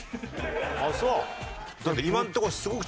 あっそう？